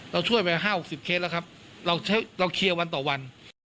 เราช่วยไป๕๖๐เคสแล้วครับเราเคลียร์วันต่อวัน